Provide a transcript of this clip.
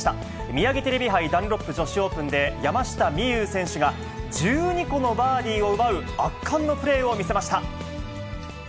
ミヤギテレビ杯ダンロップ女子オープンで、山下美夢有選手が１２個のバーディーを奪う圧巻のプレーを見せました。